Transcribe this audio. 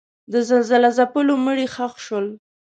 د زلزله ځپلو مړي ښخ شول.